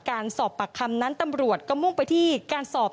การสอบปากคำนั้นตำรวจก็มุ่งไปที่การสอบ